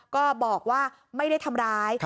ก็บอกว่าไม่ได้ทำร้าย